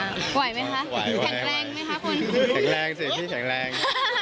ไหวไหมคะแข็งแรงไหมคะคุณฮืมใช่พี่แข็งแรง